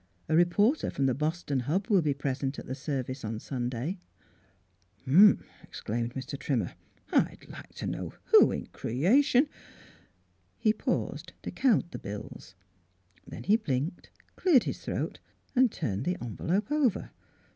A reporter from The Boston Huh will be present at the service on Sun day next." " Huh !" exclaimed Mr. Trimmer. " I'd like t' know who in creation —" He paused to count the bills. Then he blinked, cleared his throat, and turned the envelope over.